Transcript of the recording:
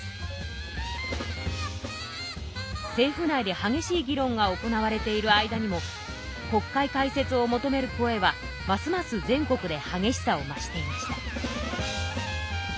政府内ではげしい議論が行われている間にも国会開設を求める声はますます全国ではげしさを増していました。